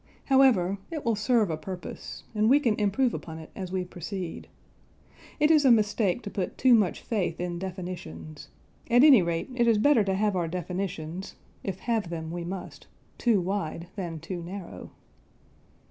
However, it will serve a purpose, and we can improve upon it as we proceed. It is a mistake to put too much faith in definitions: at any rate it is better to have our definitions (if have them we must) too wide than too narrow.